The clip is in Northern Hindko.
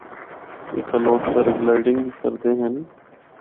اِتھا لوگ پیراگلائیڈنگ بھی کردے ہن۔